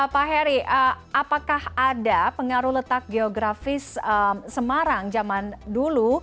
pak heri apakah ada pengaruh letak geografis semarang zaman dulu